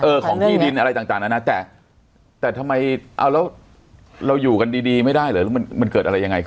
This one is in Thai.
ของที่ดินอะไรต่างนะนะแต่แต่ทำไมเอาแล้วเราอยู่กันดีดีไม่ได้หรือมันมันเกิดอะไรยังไง